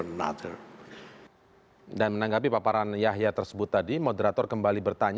retno juga menyampaikan bahwa dia akan menjelaskan keberpihakan indonesia terhadap palestina